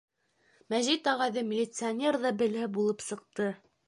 Мәжит ағайҙы милиционер ҙа белә булып сыҡты.